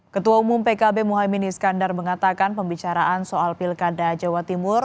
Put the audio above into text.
ketua umum pkb mohaimin iskandar mengatakan pembicaraan soal pilkada jawa timur